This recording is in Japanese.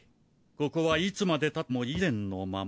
ここはいつまでたっても以前のまま。